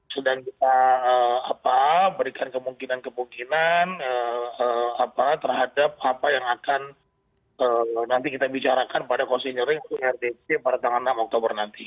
sedang kita berikan kemungkinan kemungkinan terhadap apa yang akan nanti kita bicarakan pada cosinyering rdp pada tanggal enam oktober nanti